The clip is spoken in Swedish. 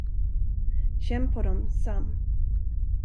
Känn på dem, Sam.